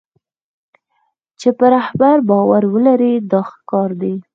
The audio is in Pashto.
چې په رهبر باور ولري دا ښه کار دی.